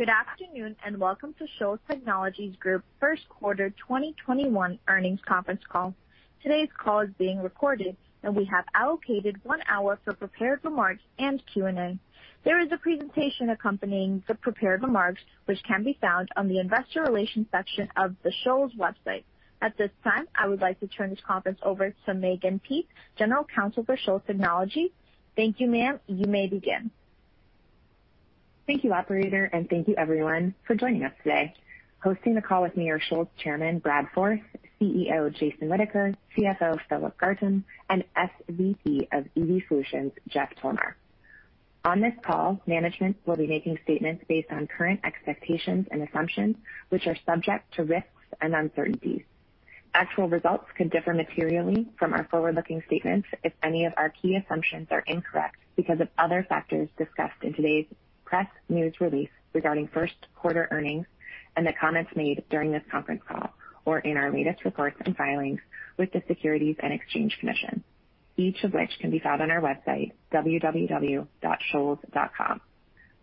Good afternoon, welcome to Shoals Technologies Group first quarter 2021 earnings conference call. Today's call is being recorded, and we have allocated one hour for prepared remarks and Q&A. There is a presentation accompanying the prepared remarks, which can be found on the investor relations section of the Shoals website. At this time, I would like to turn this conference over to Mehgan Peetz, General Counsel for Shoals Technologies. Thank you, ma'am. You may begin. Thank you, operator, thank you everyone for joining us today. Hosting the call with me are Shoals Chairman, Brad Forth, CEO, Jason Whitaker, CFO, Philip Garton, and SVP of EV Solutions, Jeff Tolnar. On this call, management will be making statements based on current expectations and assumptions, which are subject to risks and uncertainties. Actual results could differ materially from our forward-looking statements if any of our key assumptions are incorrect because of other factors discussed in today's press news release regarding first quarter earnings and the comments made during this conference call or in our latest reports and filings with the Securities and Exchange Commission, each of which can be found on our website, www.shoals.com.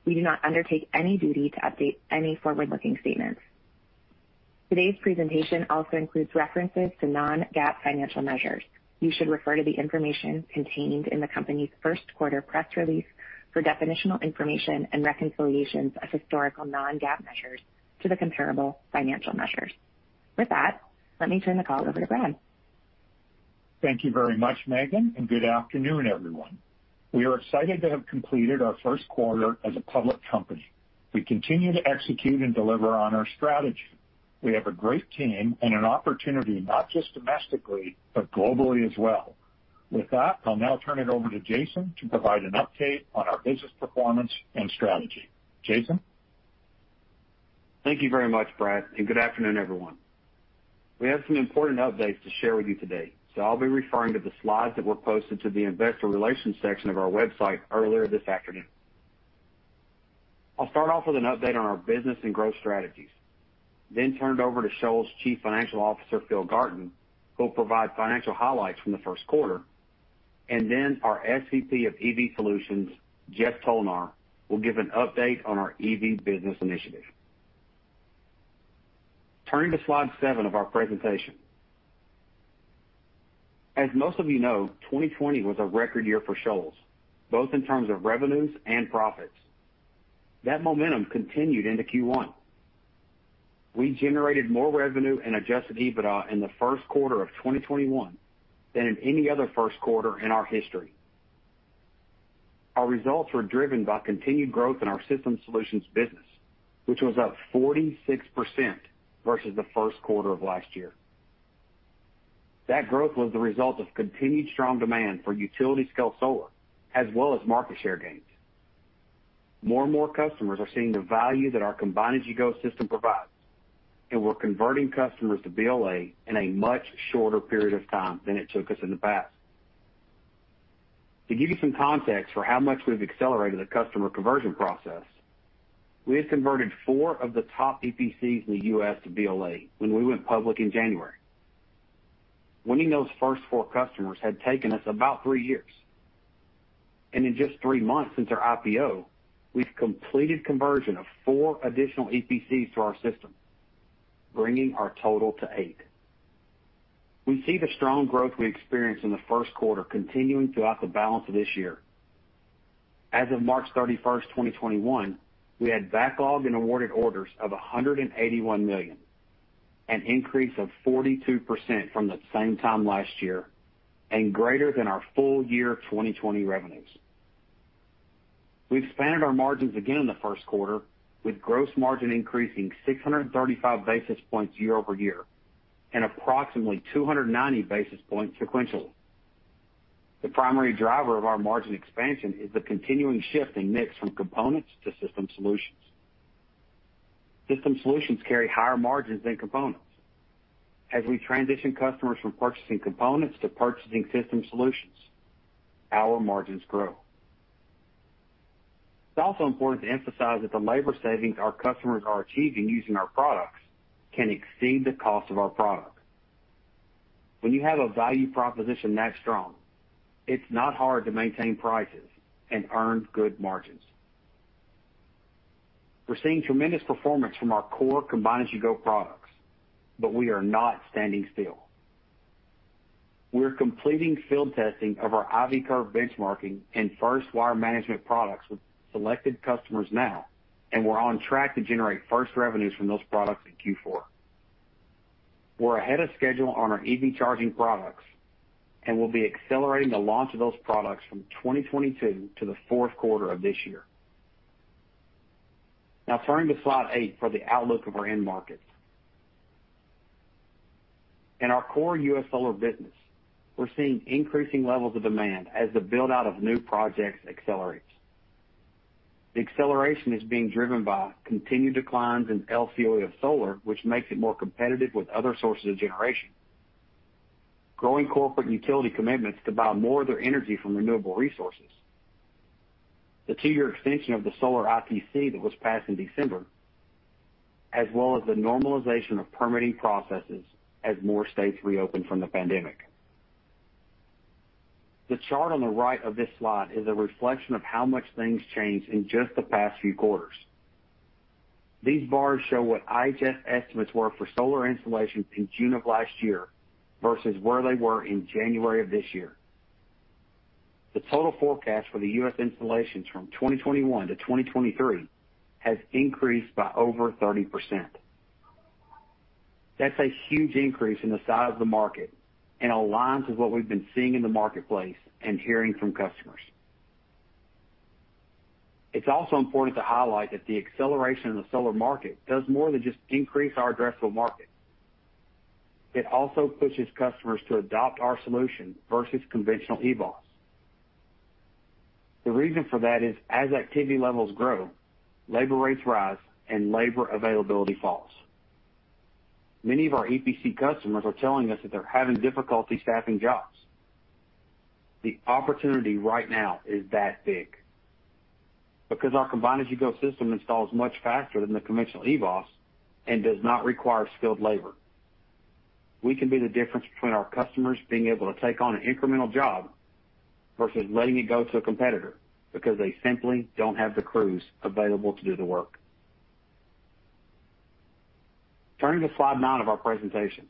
We do not undertake any duty to update any forward-looking statements. Today's presentation also includes references to non-GAAP financial measures. You should refer to the information contained in the company's first quarter press release for definitional information and reconciliations of historical non-GAAP measures to the comparable financial measures. With that, let me turn the call over to Brad. Thank you very much, Mehgan, and good afternoon, everyone. We are excited to have completed our first quarter as a public company. We continue to execute and deliver on our strategy. We have a great team and an opportunity, not just domestically, but globally as well. With that, I'll now turn it over to Jason to provide an update on our business performance and strategy. Jason? Thank you very much, Brad, and good afternoon, everyone. We have some important updates to share with you today, so I'll be referring to the slides that were posted to the investor relations section of our website earlier this afternoon. I'll start off with an update on our business and growth strategies, then turn it over to Shoals' Chief Financial Officer, Phil Garton, who will provide financial highlights from the first quarter, and then our SVP of EV Solutions, Jeff Tolnar, will give an update on our EV business initiative. Turning to slide seven of our presentation. As most of you know, 2020 was a record year for Shoals, both in terms of revenues and profits. That momentum continued into Q1. We generated more revenue and adjusted EBITDA in the first quarter of 2021 than in any other first quarter in our history. Our results were driven by continued growth in our system solutions business, which was up 46% versus the first quarter of last year. That growth was the result of continued strong demand for utility scale solar, as well as market share gains. More and more customers are seeing the value that our Combine-as-you-go system provides, and we're converting customers to BLA in a much shorter period of time than it took us in the past. To give you some context for how much we've accelerated the customer conversion process, we had converted four of the top EPCs in the U.S. to BLA when we went public in January. Winning those first four customers had taken us about three years, and in just three months since our IPO, we've completed conversion of four additional EPCs to our system, bringing our total to eight. We see the strong growth we experienced in the first quarter continuing throughout the balance of this year. As of March 31st, 2021, we had backlog and awarded orders of $181 million, an increase of 42% from the same time last year and greater than our full year 2020 revenues. We expanded our margins again in the first quarter with gross margin increasing 635 basis points year-over-year and approximately 290 basis points sequentially. The primary driver of our margin expansion is the continuing shift in mix from components to system solutions. System solutions carry higher margins than components. As we transition customers from purchasing components to purchasing system solutions, our margins grow. It's also important to emphasize that the labor savings our customers are achieving using our products can exceed the cost of our product. When you have a value proposition that strong, it's not hard to maintain prices and earn good margins. We're seeing tremendous performance from our core Combine-as-you-go products. We are not standing still. We're completing field testing of our I-V curve benchmarking and first wire management products with selected customers now, and we're on track to generate first revenues from those products in Q4. We're ahead of schedule on our EV charging products and will be accelerating the launch of those products from 2022 to the fourth quarter of this year. Turning to slide eight for the outlook of our end markets. In our core U.S. solar business, we're seeing increasing levels of demand as the build-out of new projects accelerates. The acceleration is being driven by continued declines in LCOE of solar, which makes it more competitive with other sources of generation, growing corporate utility commitments to buy more of their energy from renewable resources, the two-year extension of the solar ITC that was passed in December, as well as the normalization of permitting processes as more states reopen from the pandemic. The chart on the right of this slide is a reflection of how much things changed in just the past few quarters. These bars show what IHS estimates were for solar installations in June of last year versus where they were in January of this year. The total forecast for the U.S. installations from 2021-2023 has increased by over 30%. That's a huge increase in the size of the market and aligns with what we've been seeing in the marketplace and hearing from customers. It's also important to highlight that the acceleration of the solar market does more than just increase our addressable market. It also pushes customers to adopt our solution versus conventional EBOS. The reason for that is as activity levels grow, labor rates rise and labor availability falls. Many of our EPC customers are telling us that they're having difficulty staffing jobs. The opportunity right now is that big. Because our Combine-as-you-go system installs much faster than the conventional EBOS and does not require skilled labor, we can be the difference between our customers being able to take on an incremental job versus letting it go to a competitor because they simply don't have the crews available to do the work. Turning to slide nine of our presentation.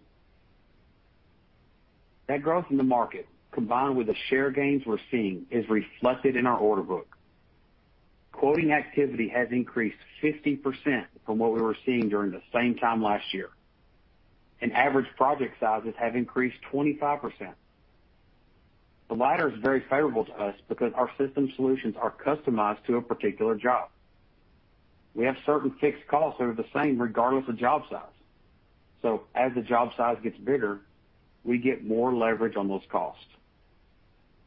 That growth in the market, combined with the share gains we're seeing, is reflected in our order book. Quoting activity has increased 50% from what we were seeing during the same time last year, and average project sizes have increased 25%. The latter is very favorable to us because our system solutions are customized to a particular job. We have certain fixed costs that are the same regardless of job size. As the job size gets bigger, we get more leverage on those costs.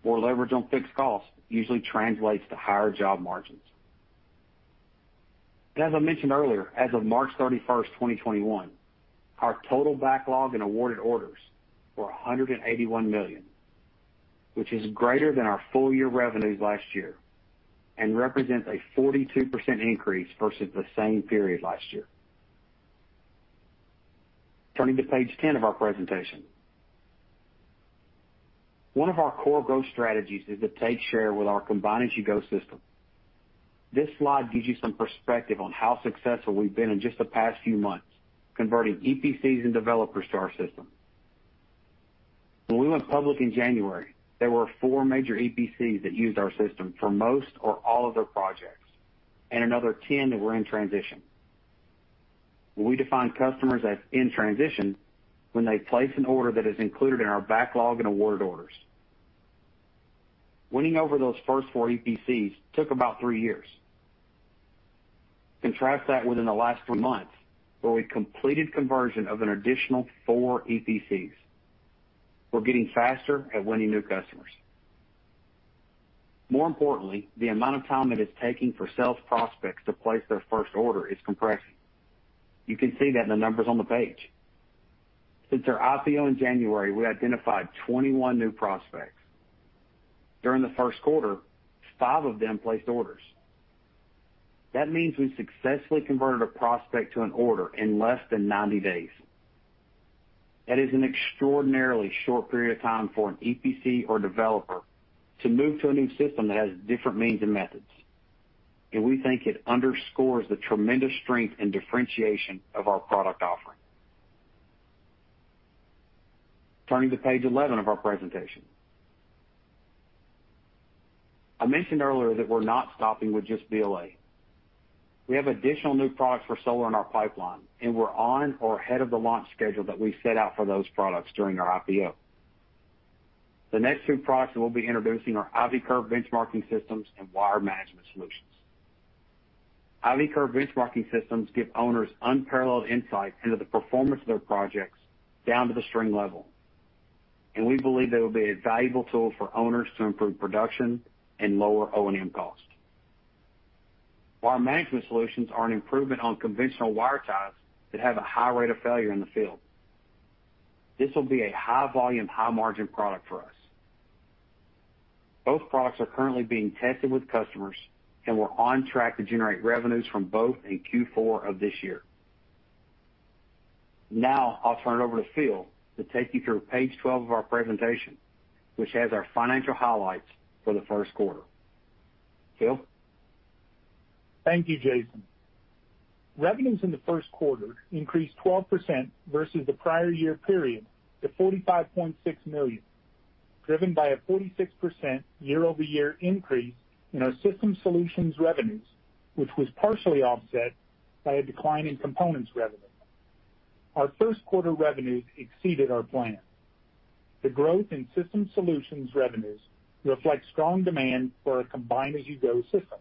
More leverage on fixed costs usually translates to higher job margins. As I mentioned earlier, as of March 31st, 2021, our total backlog and awarded orders were $181 million, which is greater than our full year revenues last year and represents a 42% increase versus the same period last year. Turning to page ten of our presentation. One of our core growth strategies is to take share with our Combine-as-you-go system. This slide gives you some perspective on how successful we've been in just the past few months, converting EPCs and developers to our system. When we went public in January, there were four major EPCs that used our system for most or all of their projects, and another 10 that were in transition. We define customers as in transition when they place an order that is included in our backlog and awarded orders. Winning over those first four EPCs took about three years. Contrast that within the last three months, where we completed conversion of an additional four EPCs. We're getting faster at winning new customers. More importantly, the amount of time it is taking for sales prospects to place their first order is compressing. You can see that in the numbers on the page. Since our IPO in January, we identified 21 new prospects. During the first quarter, five of them placed orders. That means we successfully converted a prospect to an order in less than 90 days. That is an extraordinarily short period of time for an EPC or developer to move to a new system that has different means and methods. We think it underscores the tremendous strength and differentiation of our product offering. Turning to page 11 of our presentation. I mentioned earlier that we're not stopping with just BLA. We have additional new products for solar in our pipeline, and we're on or ahead of the launch schedule that we set out for those products during our IPO. The next two products that we'll be introducing are I-V curve benchmarking systems and wire management solutions. I-V curve benchmarking systems give owners unparalleled insight into the performance of their projects down to the string level, and we believe they will be a valuable tool for owners to improve production and lower O&M costs. Wire management solutions are an improvement on conventional wire ties that have a high rate of failure in the field. This will be a high-volume, high-margin product for us. Both products are currently being tested with customers, and we're on track to generate revenues from both in Q4 of this year. Now I'll turn it over to Phil to take you through page 12 of our presentation, which has our financial highlights for the first quarter. Phil? Thank you, Jason. Revenues in the first quarter increased 12% versus the prior year period to $45.6 million, driven by a 46% year-over-year increase in our system solutions revenues, which was partially offset by a decline in components revenue. Our first quarter revenues exceeded our plan. The growth in system solutions revenues reflect strong demand for our Combine-as-you-go system.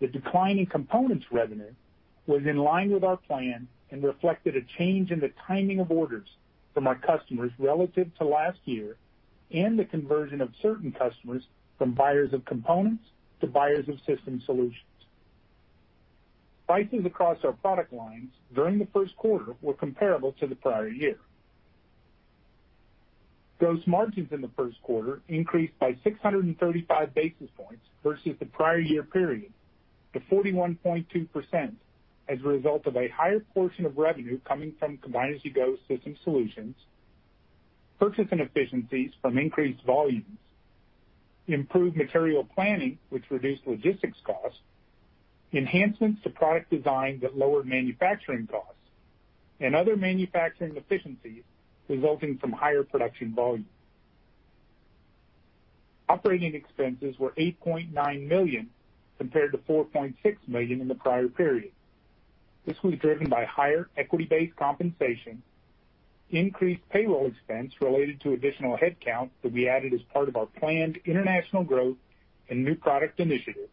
The decline in components revenue was in line with our plan and reflected a change in the timing of orders from our customers relative to last year, and the conversion of certain customers from buyers of components to buyers of system solutions. Prices across our product lines during the first quarter were comparable to the prior year. Gross margins in the first quarter increased by 635 basis points versus the prior year period to 41.2% as a result of a higher portion of revenue coming from Combine-as-you-go system solutions, purchasing efficiencies from increased volumes, improved material planning, which reduced logistics costs, enhancements to product design that lowered manufacturing costs, and other manufacturing efficiencies resulting from higher production volume. Operating expenses were $8.9 million compared to $4.6 million in the prior period. This was driven by higher equity-based compensation, increased payroll expense related to additional headcount that we added as part of our planned international growth and new product initiatives,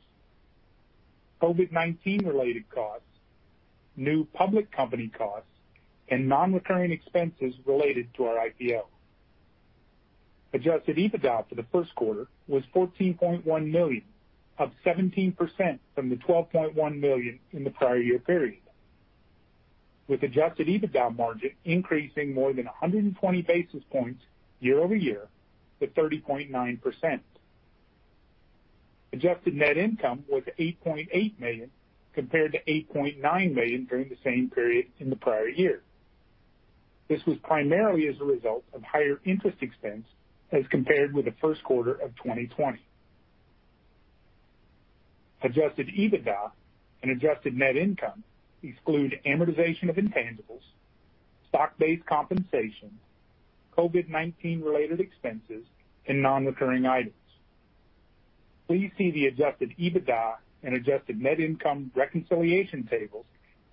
COVID-19 related costs, new public company costs, and non-recurring expenses related to our IPO. adjusted EBITDA for the first quarter was $14.1 million, up 17% from the $12.1 million in the prior year period, with adjusted EBITDA margin increasing more than 120 basis points year-over-year to 30.9%. Adjusted net income was $8.8 million, compared to $8.9 million during the same period in the prior year. This was primarily as a result of higher interest expense as compared with the first quarter of 2020. Adjusted EBITDA and adjusted net income exclude amortization of intangibles, stock-based compensation, COVID-19 related expenses, and non-recurring items. Please see the adjusted EBITDA and adjusted net income reconciliation tables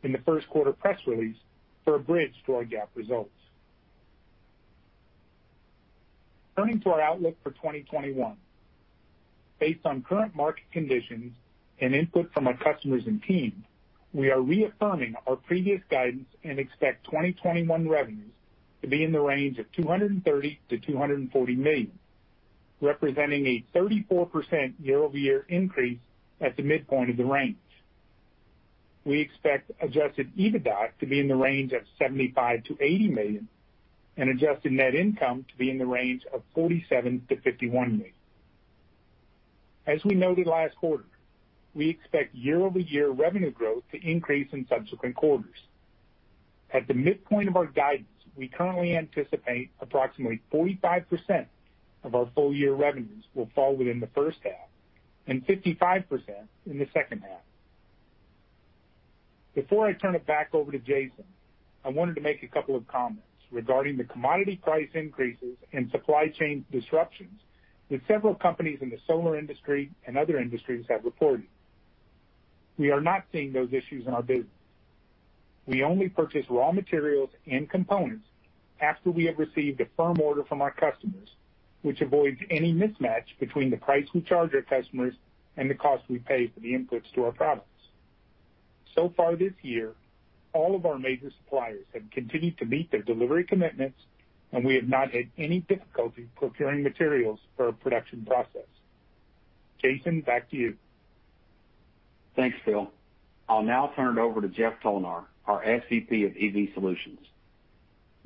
in the first quarter press release for a bridge to our GAAP results. Turning to our outlook for 2021. Based on current market conditions and input from our customers and team, we are reaffirming our previous guidance and expect 2021 revenues to be in the range of $230 million-$240 million, representing a 34% year-over-year increase at the midpoint of the range. We expect adjusted EBITDA to be in the range of $75 million-$80 million, and adjusted net income to be in the range of $47 million-$51 million. As we noted last quarter, we expect year-over-year revenue growth to increase in subsequent quarters. At the midpoint of our guidance, we currently anticipate approximately 45% of our full-year revenues will fall within the first half and 55% in the second half. Before I turn it back over to Jason, I wanted to make a couple of comments regarding the commodity price increases and supply chain disruptions that several companies in the solar industry and other industries have reported. We are not seeing those issues in our business. We only purchase raw materials and components after we have received a firm order from our customers, which avoids any mismatch between the price we charge our customers and the cost we pay for the inputs to our products. Far this year, all of our major suppliers have continued to meet their delivery commitments, and we have not had any difficulty procuring materials for our production process. Jason, back to you. Thanks, Phil. I'll now turn it over to Jeff Tolnar, our SVP of EV Solutions.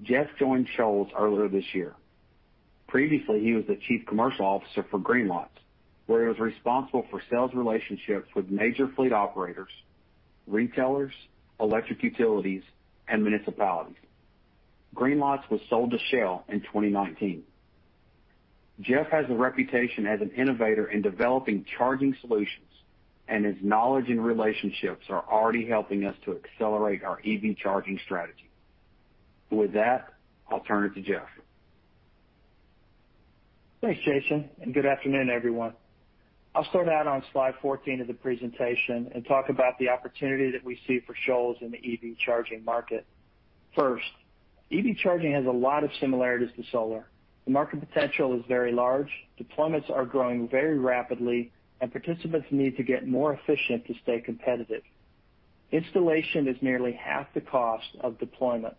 Jeff joined Shoals earlier this year. Previously, he was the Chief Commercial Officer for Greenlots, where he was responsible for sales relationships with major fleet operators, retailers, electric utilities, and municipalities. Greenlots was sold to Shell in 2019. Jeff has a reputation as an innovator in developing charging solutions, and his knowledge and relationships are already helping us to accelerate our EV charging strategy. With that, I'll turn it to Jeff. Thanks, Jason. Good afternoon, everyone. I'll start out on slide 14 of the presentation and talk about the opportunity that we see for Shoals in the EV charging market. First, EV charging has a lot of similarities to solar. The market potential is very large, deployments are growing very rapidly, and participants need to get more efficient to stay competitive. Installation is nearly half the cost of deployment.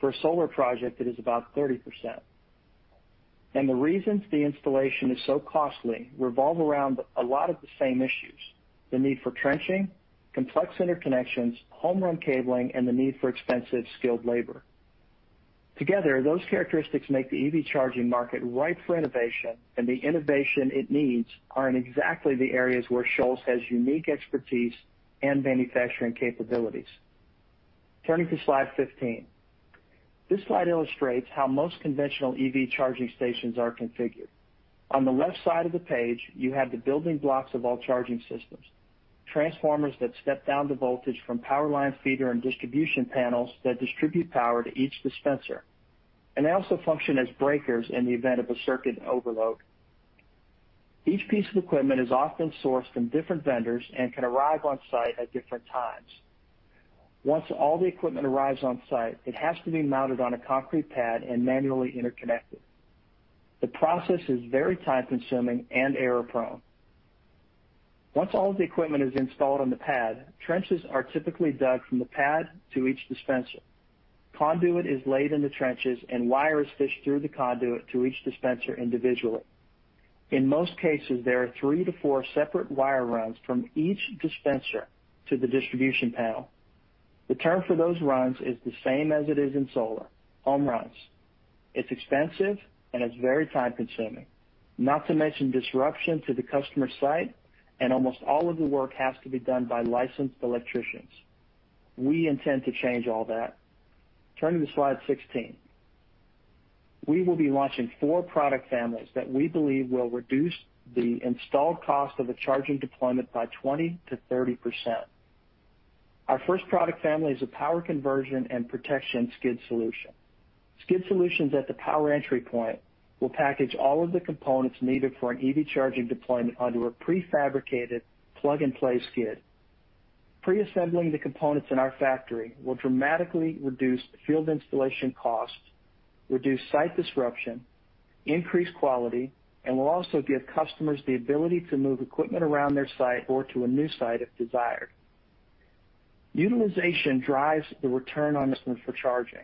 For a solar project, it is about 30%. The reasons the installation is so costly revolve around a lot of the same issues: the need for trenching, complex interconnections, home-run cabling, and the need for expensive skilled labor. Together, those characteristics make the EV charging market ripe for innovation, and the innovation it needs are in exactly the areas where Shoals has unique expertise and manufacturing capabilities. Turning to slide 15. This slide illustrates how most conventional EV charging stations are configured. On the left side of the page, you have the building blocks of all charging systems, transformers that step down the voltage from power line feeder and distribution panels that distribute power to each dispenser, and they also function as breakers in the event of a circuit overload. Each piece of equipment is often sourced from different vendors and can arrive on site at different times. Once all the equipment arrives on site, it has to be mounted on a concrete pad and manually interconnected. The process is very time-consuming and error-prone. Once all the equipment is installed on the pad, trenches are typically dug from the pad to each dispenser. Conduit is laid in the trenches, and wire is fished through the conduit to each dispenser individually. In most cases, there are three to four separate wire runs from each dispenser to the distribution panel. The term for those runs is the same as it is in solar, home runs. It's expensive and it's very time-consuming, not to mention disruption to the customer site, and almost all of the work has to be done by licensed electricians. We intend to change all that. Turning to slide 16. We will be launching four product families that we believe will reduce the installed cost of a charging deployment by 20%-30%. Our first product family is a power conversion and protection skid solution. Skid solutions at the power entry point will package all of the components needed for an EV charging deployment under a prefabricated plug-and-play skid. Pre-assembling the components in our factory will dramatically reduce field installation costs, reduce site disruption, increase quality, and will also give customers the ability to move equipment around their site or to a new site if desired. Utilization drives the return on investment for charging,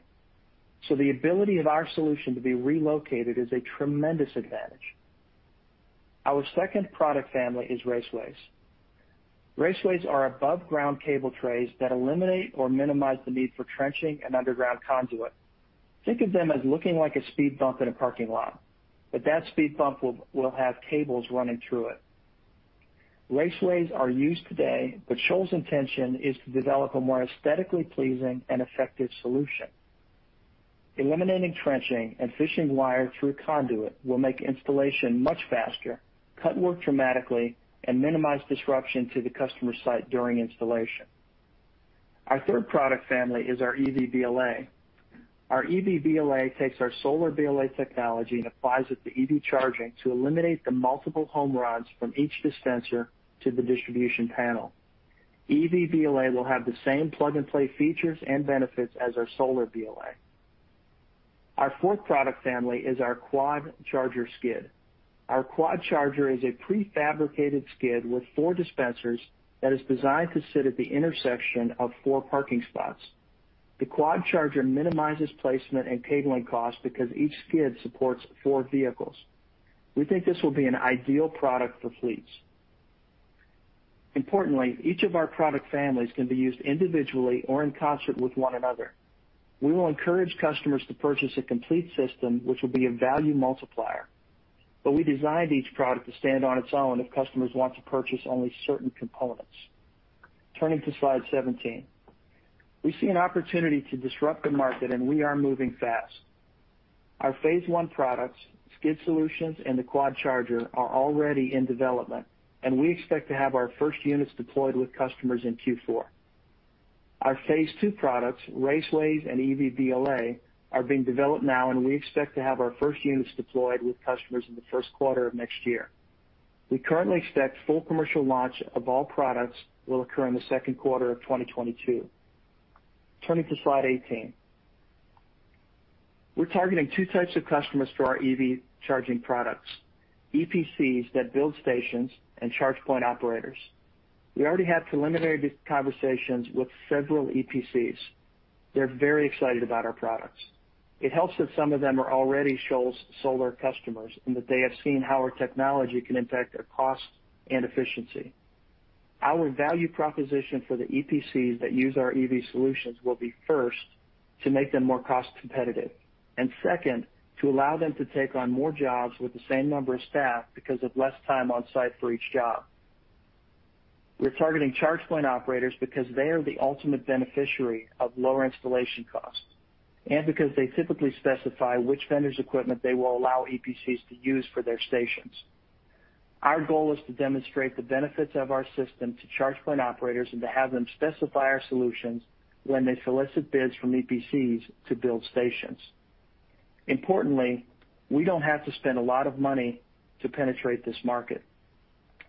so the ability of our solution to be relocated is a tremendous advantage. Our second product family is raceways. Raceways are above-ground cable trays that eliminate or minimize the need for trenching an underground conduit. Think of them as looking like a speed bump in a parking lot, but that speed bump will have cables running through it. Raceways are used today, but Shoals' intention is to develop a more aesthetically pleasing and effective solution. Eliminating trenching and fishing wire through conduit will make installation much faster, cut work dramatically, and minimize disruption to the customer site during installation. Our third product family is our EV-BLA. Our EV-BLA takes our solar BLA technology and applies it to EV charging to eliminate the multiple home runs from each dispenser to the distribution panel. Our EV-BLA will have the same plug-and-play features and benefits as our solar BLA. Our fourth product family is our quad charger skid. Our quad charger is a prefabricated skid with four dispensers that is designed to sit at the intersection of four parking spots. The quad charger minimizes placement and cabling costs because each skid supports four vehicles. We think this will be an ideal product for fleets. Importantly, each of our product families can be used individually or in concert with one another. We will encourage customers to purchase a complete system, which will be a value multiplier. We designed each product to stand on its own if customers want to purchase only certain components. Turning to slide 17. We see an opportunity to disrupt the market, and we are moving fast. Our phase I products, skid solutions and the quad charger, are already in development, and we expect to have our first units deployed with customers in Q4. Our phase II products, raceways and EV-BLA, are being developed now, and we expect to have our first units deployed with customers in the first quarter of next year. We currently expect full commercial launch of all products will occur in the second quarter of 2022. Turning to slide 18. We're targeting two types of customers for our EV charging products: EPCs that build stations and Charge Point Operators. We already have preliminary conversations with several EPCs. They're very excited about our products. It helps that some of them are already Shoals solar customers, and that they have seen how our technology can impact their cost and efficiency. Our value proposition for the EPCs that use our EV solutions will be, first, to make them more cost-competitive, and second, to allow them to take on more jobs with the same number of staff because of less time on site for each job. We're targeting Charge Point Operators because they are the ultimate beneficiary of lower installation costs, and because they typically specify which vendor's equipment they will allow EPCs to use for their stations. Our goal is to demonstrate the benefits of our system to Charge Point Operators and to have them specify our solutions when they solicit bids from EPCs to build stations. Importantly, we don't have to spend a lot of money to penetrate this market.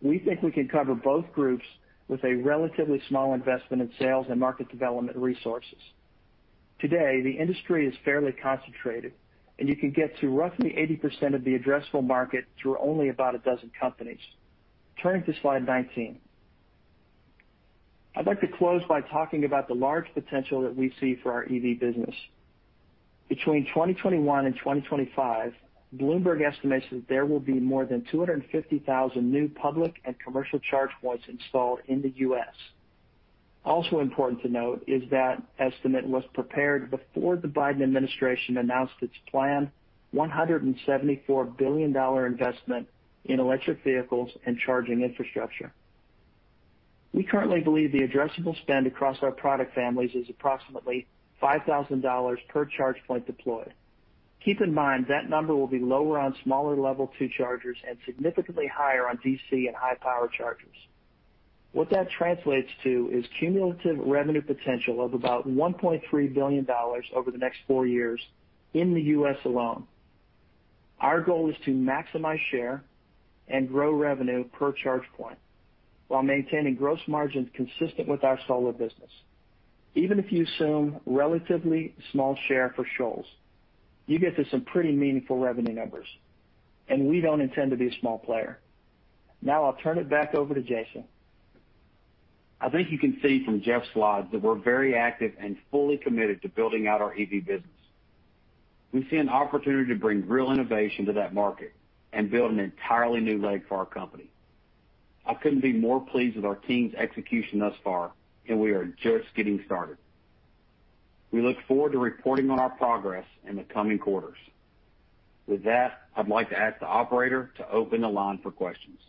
We think we can cover both groups with a relatively small investment in sales and market development resources. Today, the industry is fairly concentrated, and you can get to roughly 80% of the addressable market through only about a dozen companies. Turning to slide 19. I'd like to close by talking about the large potential that we see for our EV business. Between 2021 and 2025, Bloomberg estimates that there will be more than 250,000 new public and commercial charge points installed in the U.S. Important to note is that estimate was prepared before the Biden administration announced its plan $174 billion investment in electric vehicles and charging infrastructure. We currently believe the addressable spend across our product families is approximately $5,000 per charge point deployed. Keep in mind, that number will be lower on smaller level two chargers and significantly higher on DC and high-power chargers. What that translates to is cumulative revenue potential of about $1.3 billion over the next four years in the U.S. alone. Our goal is to maximize share and grow revenue per charge point while maintaining gross margins consistent with our solar business. Even if you assume relatively small share for Shoals, you get to some pretty meaningful revenue numbers, and we don't intend to be a small player. Now I'll turn it back over to Jason. I think you can see from Jeff's slides that we're very active and fully committed to building out our EV business. We see an opportunity to bring real innovation to that market and build an entirely new leg for our company. I couldn't be more pleased with our team's execution thus far, and we are just getting started. We look forward to reporting on our progress in the coming quarters. With that, I'd like to ask the operator to open the line for questions.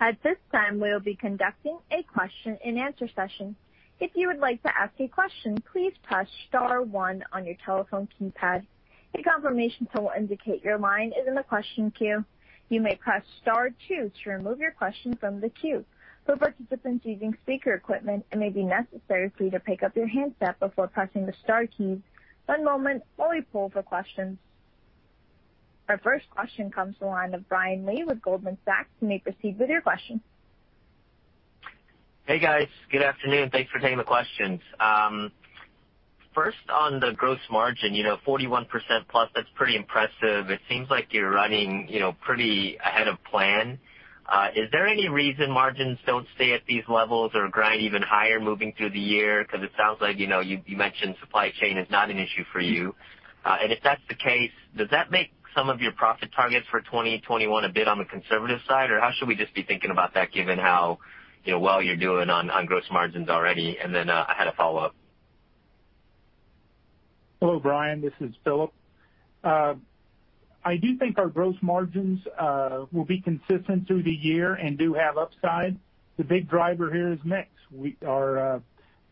At this time, we'll be conducting a question and answer session. If you would like to ask a question, please press star one on your telephone keypad. A confirmation tone will indicate your line is in the question queue. You may press star two to remove your question from the queue. For participants using speaker equipment, it may be necessary for you to pick up your handset before pressing the star key. One moment while we poll for questions. Our first question comes to the line of Brian Lee with Goldman Sachs. You may proceed with your question. Hey, guys. Good afternoon. Thanks for taking the questions. First, on the gross margin, 41%+, that's pretty impressive. It seems like you're running pretty ahead of plan. Is there any reason margins don't stay at these levels or grind even higher moving through the year? It sounds like, you mentioned supply chain is not an issue for you. If that's the case, does that make some of your profit targets for 2021 a bit on the conservative side? How should we just be thinking about that given how well you're doing on gross margins already? I had a follow-up. Hello, Brian. This is Philip. I do think our gross margins will be consistent through the year and do have upside. The big driver here is mix. Our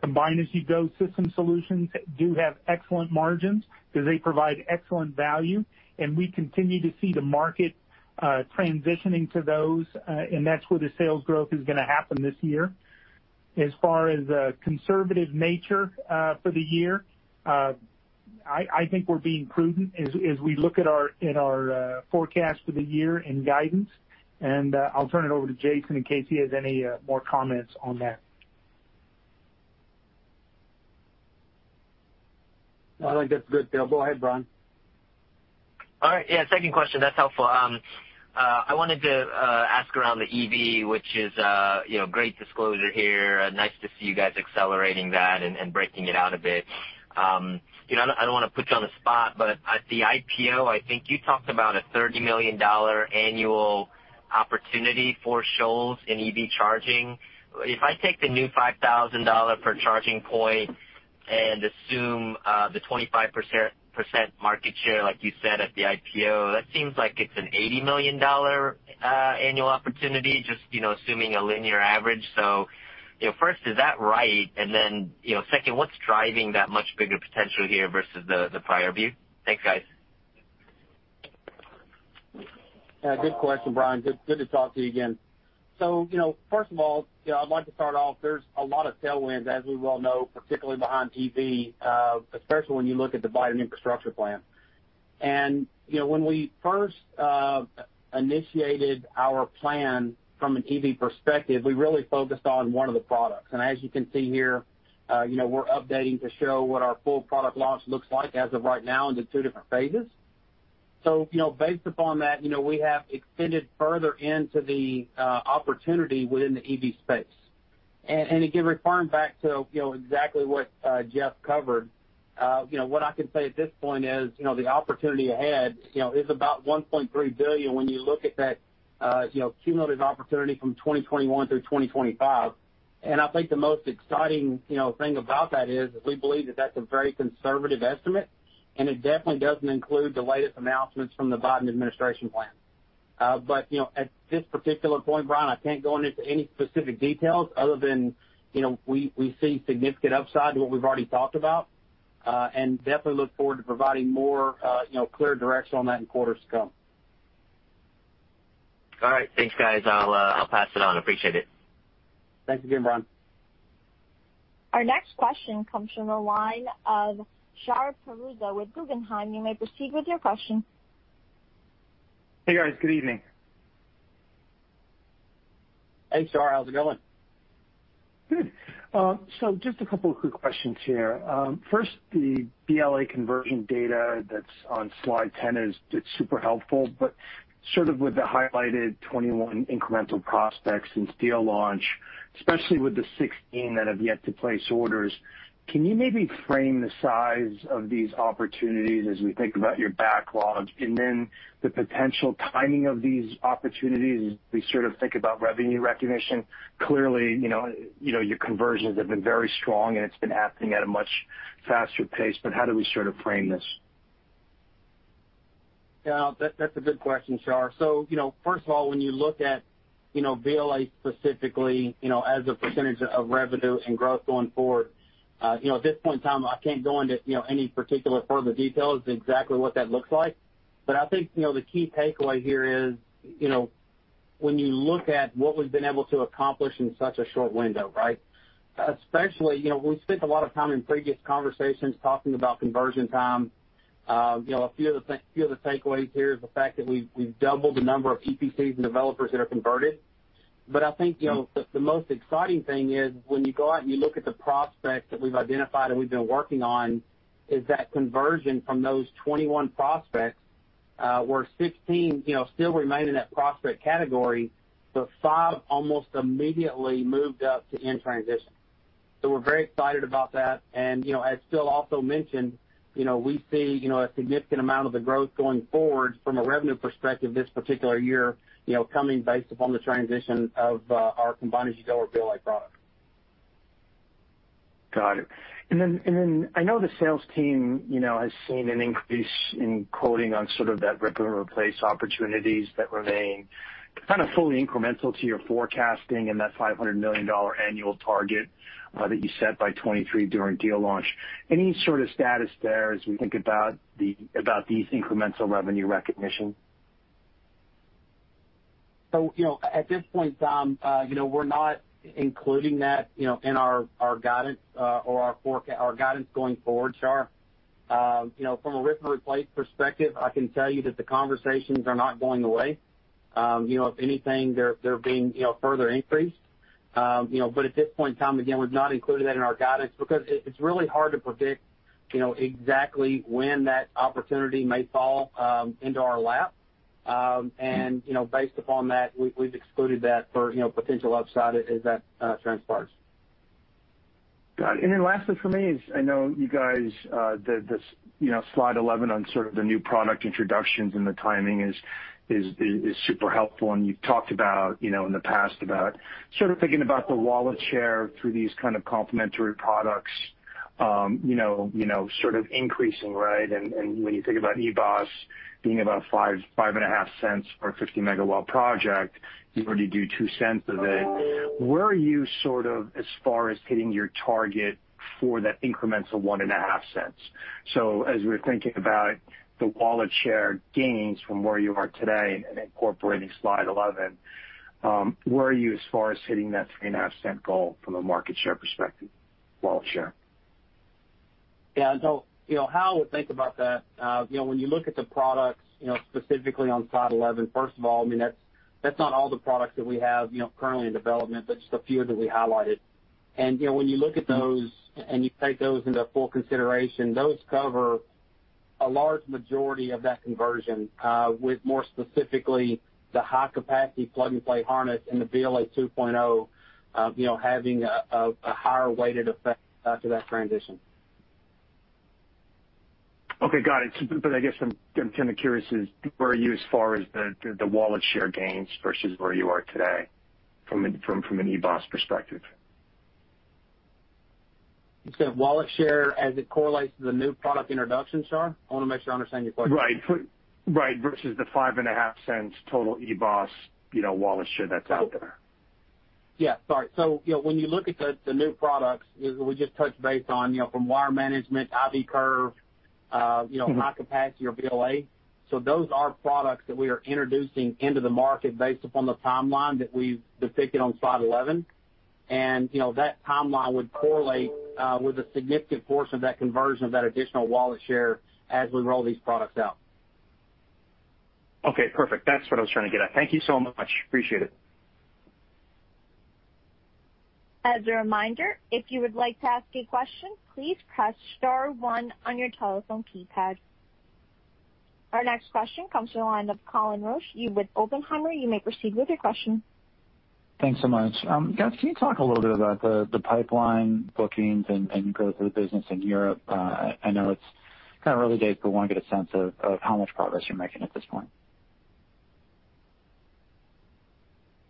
combine-as-you-go system solutions do have excellent margins because they provide excellent value, and we continue to see the market transitioning to those, and that's where the sales growth is going to happen this year. As far as conservative nature for the year, I think we're being prudent as we look at our forecast for the year and guidance, and I'll turn it over to Jason in case he has any more comments on that. I think that's good, Phil. Go ahead, Brian. All right. Yeah. Second question. That's helpful. I wanted to ask around the EV, which is a great disclosure here. Nice to see you guys accelerating that and breaking it out a bit. At the IPO, I think you talked about a $30 million annual opportunity for Shoals in EV charging. If I take the new $5,000 per charging point and assume the 25% market share, like you said at the IPO, that seems like it's an $80 million annual opportunity, just assuming a linear average. First, is that right? Then, second, what's driving that much bigger potential here versus the prior view? Thanks, guys. Yeah. Good question, Brian. Good to talk to you again. First of all, I'd like to start off, there's a lot of tailwinds, as we well know, particularly behind EV, especially when you look at the Biden Infrastructure Plan. When we first initiated our plan from an EV perspective, we really focused on one of the products. As you can see here, we're updating to show what our full product launch looks like as of right now into two different phases. Based upon that, we have extended further into the opportunity within the EV space. Again, referring back to exactly what Jeff covered, what I can say at this point is the opportunity ahead is about $1.3 billion when you look at that cumulative opportunity from 2021 through 2025. I think the most exciting thing about that is we believe that that's a very conservative estimate, it definitely doesn't include the latest announcements from the Biden administration plan. At this particular point, Brian, I can't go into any specific details other than we see significant upside to what we've already talked about, and definitely look forward to providing more clear direction on that in quarters to come. All right. Thanks, guys. I'll pass it on. Appreciate it. Thanks again, Brian. Our next question comes from the line of Shahriar Pourreza with Guggenheim. You may proceed with your question. Hey, guys. Good evening. Hey, Shar. How's it going? Good. Just a couple of quick questions here. First, the BLA conversion data that's on slide 10 is super helpful, but sort of with the highlighted 21 incremental prospects since deal launch, especially with the 16 that have yet to place orders, can you maybe frame the size of these opportunities as we think about your backlog and then the potential timing of these opportunities as we sort of think about revenue recognition? Clearly, your conversions have been very strong and it's been happening at a much faster pace, but how do we sort of frame this? Yeah. That's a good question, Shar. First of all, when you look at BLA specifically as a percentage of revenue and growth going forward, at this point in time, I can't go into any particular further details of exactly what that looks like. I think the key takeaway here is when you look at what we've been able to accomplish in such a short window, right? Especially, we spent a lot of time in previous conversations talking about conversion time. A few of the takeaways here is the fact that we've doubled the number of EPCs and developers that are converted. I think the most exciting thing is when you go out and you look at the prospects that we've identified and we've been working on is that conversion from those 21 prospects, where 16 still remain in that prospect category, but five almost immediately moved up to in transition. So we're very excited about that. As Phil also mentioned, we see a significant amount of the growth going forward from a revenue perspective this particular year, coming based upon the transition of our Combine-as-you-go or BLA product. Got it. I know the sales team has seen an increase in quoting on sort of that rip and replace opportunities that remain kind of fully incremental to your forecasting and that $500 million annual target that you set by 2023 during deal launch. Any sort of status there as we think about these incremental revenue recognition? At this point in time, we're not including that in our guidance or our forecast, our guidance going forward, Shar. From a rip and replace perspective, I can tell you that the conversations are not going away. If anything, they're being further increased. At this point in time, again, we've not included that in our guidance because it's really hard to predict exactly when that opportunity may fall into our lap. Based upon that, we've excluded that for potential upside as that transpires. Got it. Lastly for me is I know you guys, the slide 11 on sort of the new product introductions and the timing is super helpful, and you've talked about, in the past, about sort of thinking about the wallet share through these kind of complementary products sort of increasing, right? When you think about EBOS being about $0.055 for a 50 MW project, you already do $0.02 of it. Where are you sort of as far as hitting your target for that incremental $0.015? As we're thinking about the wallet share gains from where you are today and incorporating slide 11, where are you as far as hitting that $0.035 goal from a market share perspective, wallet share? Yeah. How I would think about that, when you look at the products specifically on slide 11, first of all, I mean, that's not all the products that we have currently in development, but just a few that we highlighted. When you look at those and you take those into full consideration, those cover a large majority of that conversion, with more specifically the high-capacity plug-and-play harness and the BLA 2.0 having a higher weighted effect to that transition. Okay, got it. I guess I'm kind of curious is where are you as far as the wallet share gains versus where you are today from an EBOS perspective? You said wallet share as it correlates to the new product introductions, Shahriar? I want to make sure I understand your question. Right. Versus the $0.055 total EBOS wallet share that's out there. Yeah, sorry. When you look at the new products we just touched base on from wire management, I-V curve, high-capacity or BLA. Those are products that we are introducing into the market based upon the timeline that we've depicted on slide 11. That timeline would correlate with a significant portion of that conversion of that additional wallet share as we roll these products out. Perfect. That's what I was trying to get at. Thank you so much. Appreciate it. As a reminder, if you would like to ask a question, please press star one on your telephone keypad. Our next question comes from the line of Colin Rusch. You with Oppenheimer, you may proceed with your question. Thanks so much. Guys, can you talk a little bit about the pipeline bookings and growth of the business in Europe? I know it's kind of early days, but want to get a sense of how much progress you're making at this point.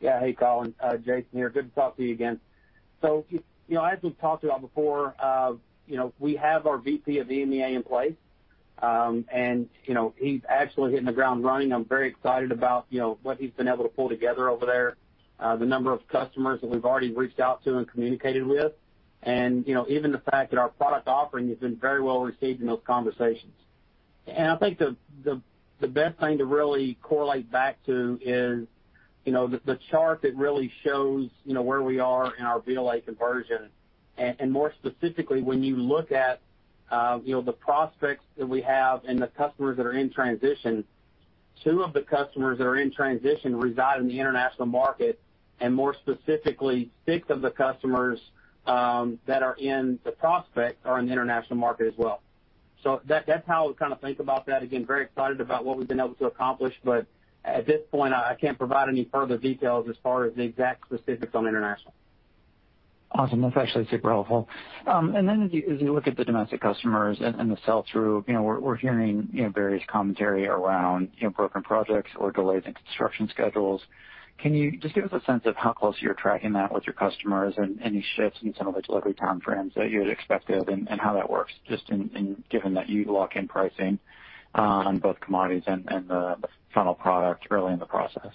Yeah. Hey, Colin. Jason here. Good to talk to you again. As we've talked about before, we have our VP of EMEA in place. He's actually hitting the ground running. I'm very excited about what he's been able to pull together over there, the number of customers that we've already reached out to and communicated with, and even the fact that our product offering has been very well received in those conversations. I think the best thing to really correlate back to is the chart that really shows where we are in our BLA conversion. More specifically, when you look at the prospects that we have and the customers that are in transition, two of the customers that are in transition reside in the international market, and more specifically, six of the customers that are in the prospect are in the international market as well. That's how we kind of think about that. Again, very excited about what we've been able to accomplish. At this point, I can't provide any further details as far as the exact specifics on international. Awesome. That's actually super helpful. As you look at the domestic customers and the sell-through, we're hearing various commentary around broken projects or delays in construction schedules. Can you just give us a sense of how close you're tracking that with your customers and any shifts in some of the delivery timeframes that you had expected and how that works just given that you lock in pricing on both commodities and the final product early in the process?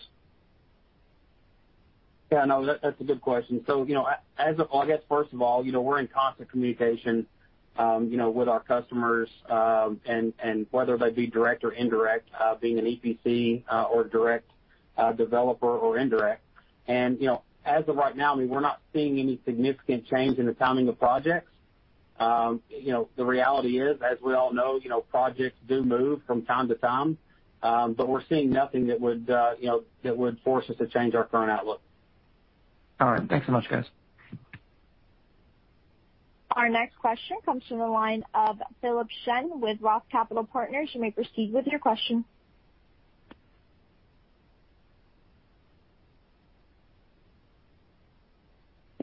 Yeah, no, that's a good question. I guess first of all, we're in constant communication with our customers, and whether they be direct or indirect, being an EPC or direct developer or indirect. As of right now, I mean, we're not seeing any significant change in the timing of projects. The reality is, as we all know, projects do move from time to time. We're seeing nothing that would force us to change our current outlook. All right. Thanks so much, guys. Our next question comes from the line of Philip Shen with Roth Capital Partners. You may proceed with your question.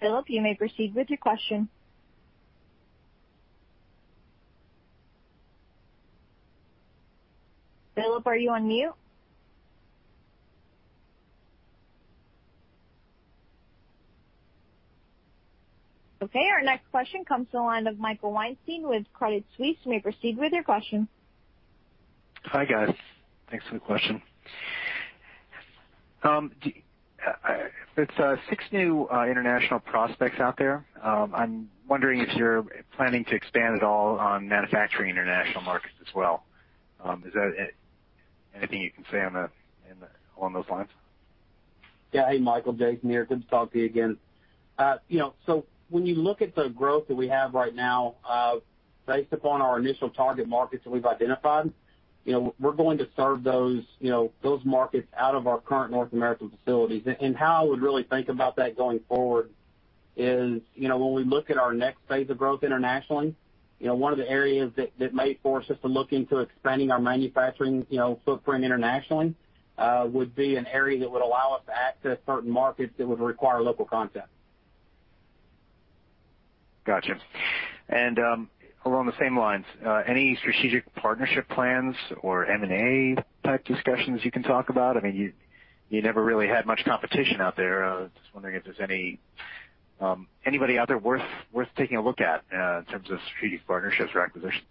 Philip, you may proceed with your question. Philip, are you on mute? Okay, our next question comes to the line of Michael Weinstein with Credit Suisse. You may proceed with your question. Hi, guys. Thanks for the question. With six new international prospects out there, I'm wondering if you're planning to expand at all on manufacturing international markets as well. Is there anything you can say along those lines? Yeah. Hey, Michael. Jason here. Good to talk to you again. When you look at the growth that we have right now, based upon our initial target markets that we've identified, we're going to serve those markets out of our current North American facilities. How I would really think about that going forward is, when we look at our next phase of growth internationally, one of the areas that may force us to look into expanding our manufacturing footprint internationally would be an area that would allow us to access certain markets that would require local content. Got you. Along the same lines, any strategic partnership plans or M&A type discussions you can talk about? You never really had much competition out there. I was just wondering if there's anybody out there worth taking a look at in terms of strategic partnerships or acquisitions.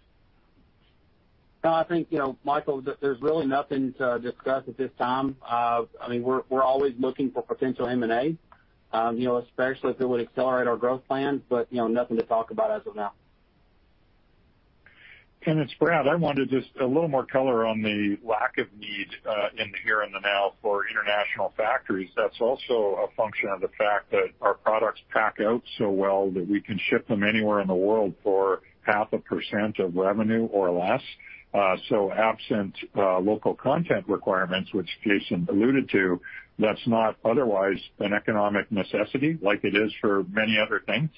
No, I think, Michael, there's really nothing to discuss at this time. We're always looking for potential M&A, especially if it would accelerate our growth plans. Nothing to talk about as of now. It's Brad. I wanted just a little more color on the lack of need in the here and the now for international factories. That's also a function of the fact that our products pack out so well that we can ship them anywhere in the world for half a percent of revenue or less. Absent local content requirements, which Jason alluded to, that's not otherwise an economic necessity like it is for many other things.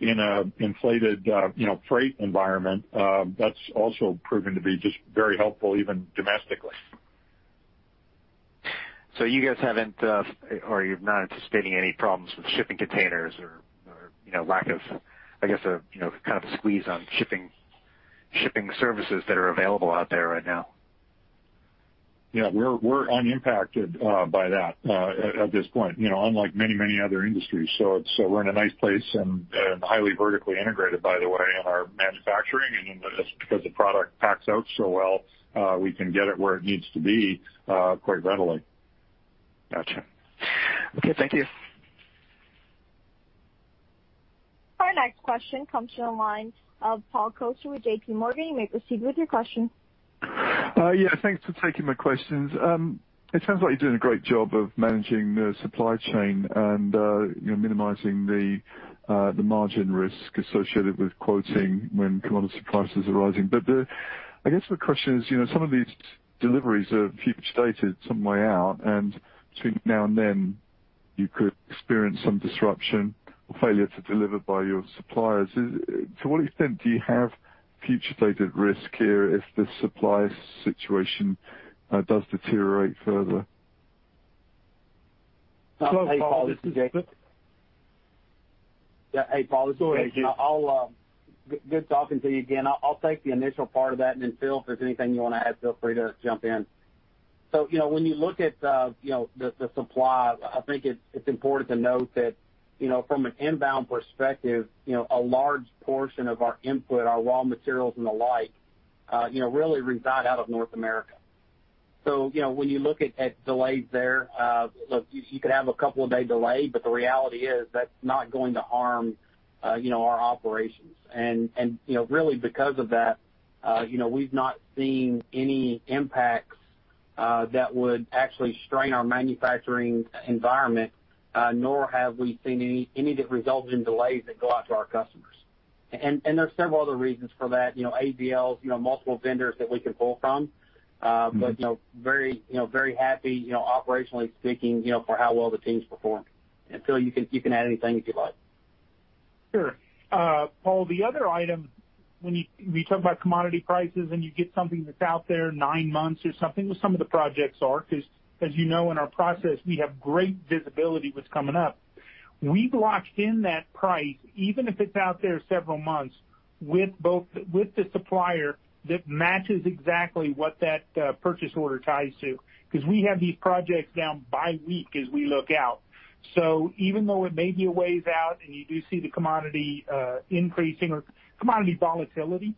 In an inflated freight environment, that's also proven to be just very helpful, even domestically. You guys are not anticipating any problems with shipping containers or lack of, I guess, kind of a squeeze on shipping services that are available out there right now? Yeah, we're unimpacted by that at this point unlike many, many other industries. We're in a nice place and highly vertically integrated, by the way, in our manufacturing. Just because the product packs out so well, we can get it where it needs to be quite readily. Got you. Okay. Thank you. Our next question comes to the line of Paul Coster with JPMorgan. You may proceed with your question. Yeah. Thanks for taking my questions. It sounds like you're doing a great job of managing the supply chain and minimizing the margin risk associated with quoting when commodity prices are rising. I guess my question is, some of these deliveries are future dated some way out, and between now and then, you could experience some disruption or failure to deliver by your suppliers. To what extent do you have future dated risk here if the supply situation does deteriorate further? Hey, Paul. This is Jason. Go ahead, Jason. Good talking to you again. I'll take the initial part of that. Then Phil, if there's anything you want to add, feel free to jump in. When you look at the supply, I think it's important to note that from an inbound perspective, a large portion of our input, our raw materials and the like really reside out of North America. When you look at delays there, look, you could have a couple of day delay. The reality is that's not going to harm our operations. Really because of that, we've not seen any impacts that would actually strain our manufacturing environment, nor have we seen any that result in delays that go out to our customers. There's several other reasons for that. AVLs, multiple vendors that we can pull from. Very happy, operationally speaking, for how well the team's performed. Philip, you can add anything if you'd like. Sure. Paul, the other item, when you talk about commodity prices and you get something that's out there nine months or something, with some of the projects are, because as you know, in our process, we have great visibility what's coming up. We've locked in that price, even if it's out there several months with the supplier that matches exactly what that purchase order ties to, because we have these projects down by week as we look out. Even though it may be a ways out and you do see the commodity increasing or commodity volatility,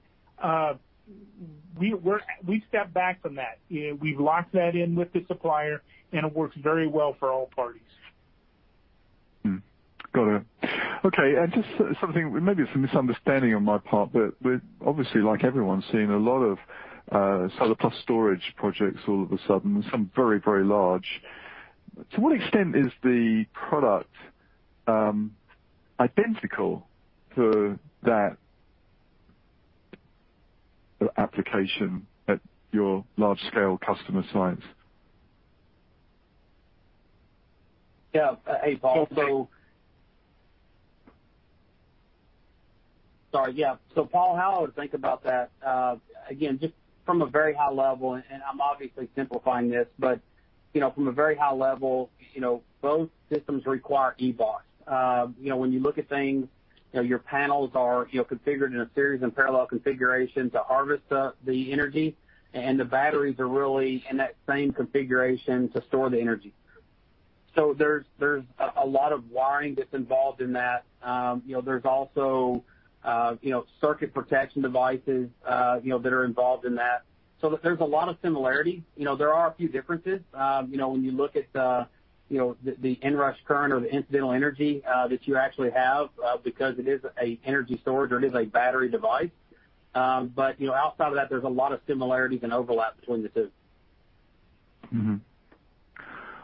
we step back from that. We've locked that in with the supplier, and it works very well for all parties. Got it. Okay, just something, maybe it's a misunderstanding on my part, but we're obviously, like everyone, seeing a lot of solar plus storage projects all of a sudden, some very, very large. To what extent is the product identical for that application at your large scale customer sites? Yeah. Hey, Paul. Sorry. Yeah. Paul, how I would think about that, again, just from a very high level, and I'm obviously simplifying this, but from a very high level, both systems require EBOS. When you look at things, your panels are configured in a series and parallel configuration to harvest the energy, and the batteries are really in that same configuration to store the energy. There's a lot of wiring that's involved in that. There's also circuit protection devices that are involved in that. There's a lot of similarity. There are a few differences. When you look at the inrush current or the incidental energy that you actually have, because it is an energy storage or it is a battery device. Outside of that, there's a lot of similarities and overlap between the two.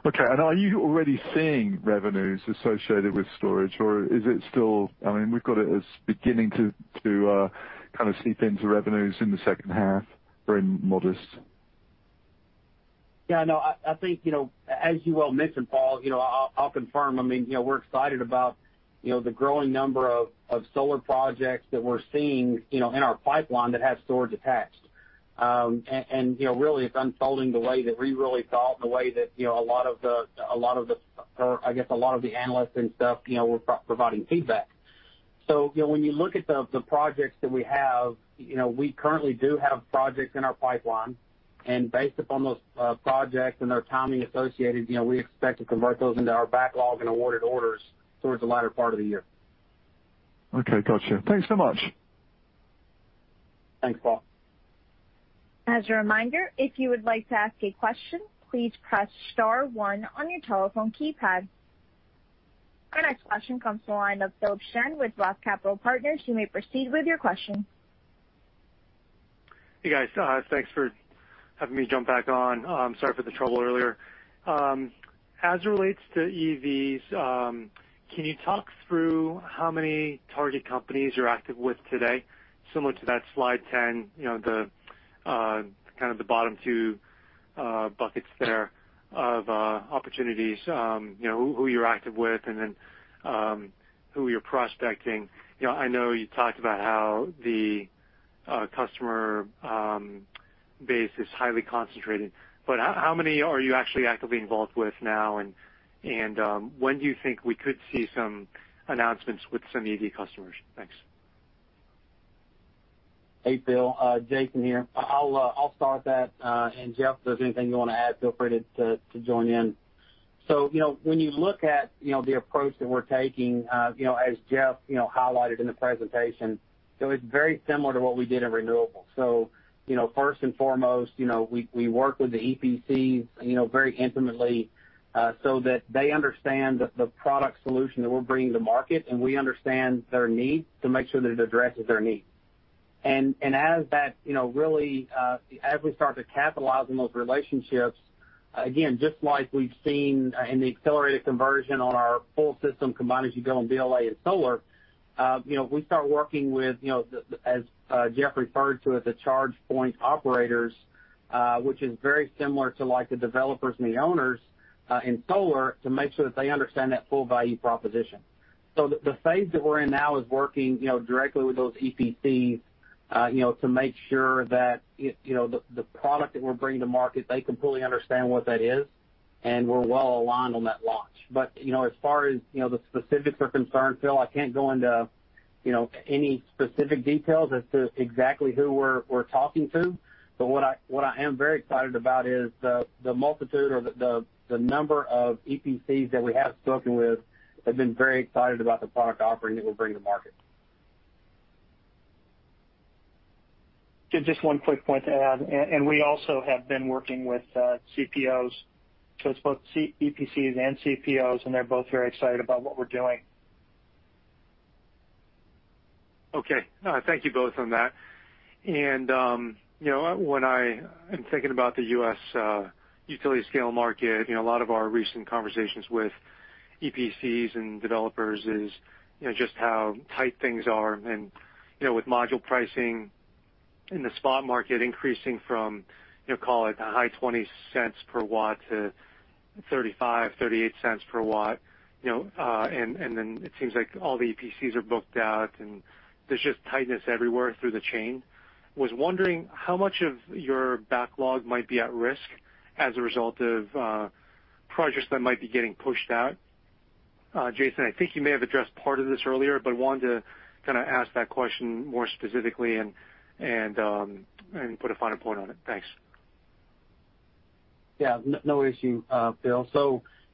Okay, are you already seeing revenues associated with storage, or is it still We've got it as beginning to kind of seep into revenues in the second half or in modest? Yeah, no, I think, as you well mentioned, Paul, I'll confirm. We're excited about the growing number of solar projects that we're seeing in our pipeline that have storage attached. Really, it's unfolding the way that we really thought and the way that a lot of the, I guess, a lot of the analysts and stuff were providing feedback. When you look at the projects that we have, we currently do have projects in our pipeline. Based upon those projects and their timing associated, we expect to convert those into our backlog and awarded orders towards the latter part of the year. Okay, got you. Thanks so much. Thanks, Paul. As a reminder, if you would like to ask a question, please press star one on your telephone keypad. Our next question comes from the line of Philip Shen with Roth Capital Partners. You may proceed with your question. Hey, guys. Thanks for having me jump back on. Sorry for the trouble earlier. As it relates to EVs, can you talk through how many target companies you're active with today, similar to that slide 10, the kind of the bottom two buckets there of opportunities, who you're active with and then who you're prospecting? I know you talked about how the customer base is highly concentrated, but how many are you actually actively involved with now, and when do you think we could see some announcements with some EV customers? Thanks. Hey, Phil. Jason here. I'll start that. Jeff, if there's anything you want to add, feel free to join in. When you look at the approach that we're taking, as Jeff highlighted in the presentation, it's very similar to what we did in renewable. First and foremost, we work with the EPCs very intimately so that they understand the product solution that we're bringing to market, and we understand their needs to make sure that it addresses their needs. As we start to capitalize on those relationships, again, just like we've seen in the accelerated conversion on our full system Combine-as-you-go on BLA and solar, we start working with, as Jeff referred to, as the Charge Point Operators, which is very similar to the developers and the owners in solar to make sure that they understand that full value proposition. The phase that we're in now is working directly with those EPCs to make sure that the product that we're bringing to market, they completely understand what that is, and we're well aligned on that launch. As far as the specifics are concerned, Phil, I can't go into any specific details as to exactly who we're talking to. What I am very excited about is the multitude or the number of EPCs that we have spoken with have been very excited about the product offering that we'll bring to market. Just one quick point to add, and we also have been working with CPOs, so it's both EPCs and CPOs, and they're both very excited about what we're doing. Thank you both on that. When I am thinking about the U.S. utility scale market, a lot of our recent conversations with EPCs and developers is just how tight things are and with module pricing in the spot market increasing from, call it high $0.20/W to $0.35, $0.38/W. It seems like all the EPCs are booked out and there's just tightness everywhere through the chain. Was wondering how much of your backlog might be at risk as a result of projects that might be getting pushed out? Jason, I think you may have addressed part of this earlier, but wanted to kind of ask that question more specifically and put a finer point on it. Thanks. Yeah, no issue, Phil.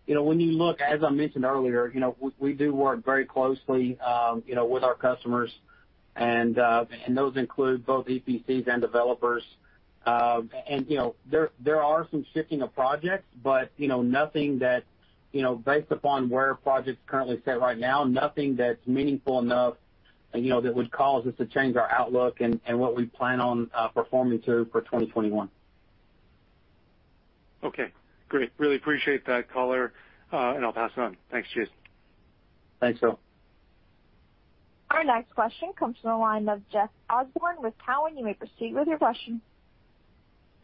When you look, as I mentioned earlier, we do work very closely with our customers, and those include both EPCs and developers. There are some shifting of projects, but based upon where projects currently sit right now, nothing that's meaningful enough that would cause us to change our outlook and what we plan on performing to for 2021. Okay, great. Really appreciate that color, and I'll pass it on. Thanks, Jason. Thanks, Phil. Our next question comes from the line of Jeff Osborne with Cowen. You may proceed with your question.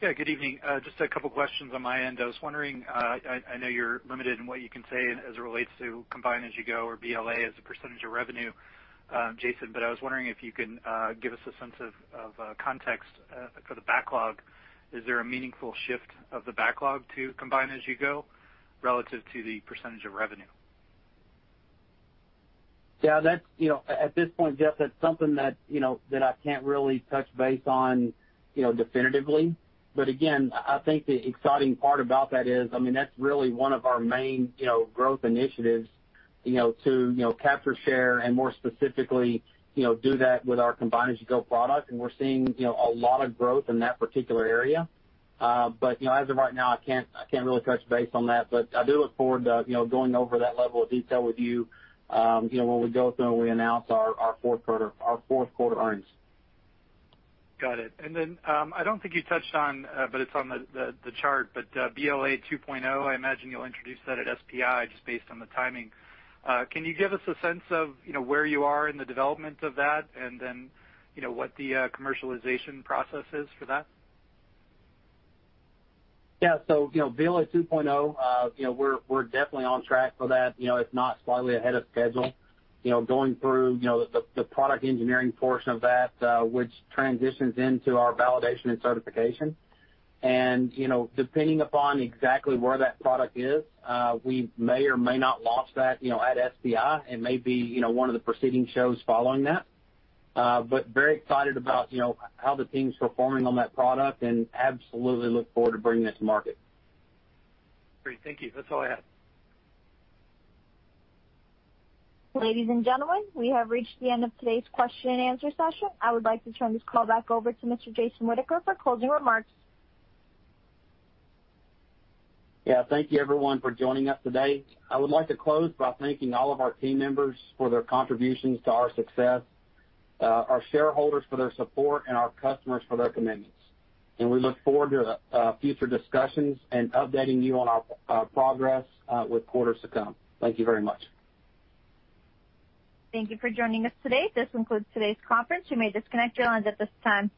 Yeah, good evening. Just a couple questions on my end. I was wondering, I know you're limited in what you can say as it relates to Combine-as-you-go or BLA as a percentage of revenue, Jason, but I was wondering if you can give us a sense of context for the backlog. Is there a meaningful shift of the backlog to Combine-as-you-go relative to the percentage of revenue? Yeah. At this point, Jeff, that's something that I can't really touch base on definitively. Again, I think the exciting part about that is, that's really one of our main growth initiatives, to capture share and more specifically, do that with our Combine-as-you-go product. We're seeing a lot of growth in that particular area. As of right now, I can't really touch base on that. I do look forward to going over that level of detail with you when we go through and we announce our fourth quarter earnings. Got it. I don't think you touched on, but it's on the chart, but BLA 2.0, I imagine you'll introduce that at SPI just based on the timing. Can you give us a sense of where you are in the development of that and then, what the commercialization process is for that? BLA 2.0, we're definitely on track for that, if not slightly ahead of schedule, going through the product engineering portion of that, which transitions into our validation and certification. Depending upon exactly where that product is, we may or may not launch that at SPI. It may be one of the proceeding shows following that. Very excited about how the team's performing on that product and absolutely look forward to bringing that to market. Great. Thank you. That's all I had. Ladies and gentlemen, we have reached the end of today's question and answer session. I would like to turn this call back over to Mr. Jason Whitaker for closing remarks. Thank you everyone for joining us today. I would like to close by thanking all of our team members for their contributions to our success, our shareholders for their support, and our customers for their commitments. We look forward to future discussions and updating you on our progress with quarters to come. Thank you very much. Thank you for joining us today. This concludes today's conference. You may disconnect your lines at this time.